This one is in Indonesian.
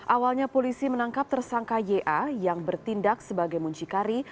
awalnya polisi menangkap tersangka ya yang bertindak sebagai muncikari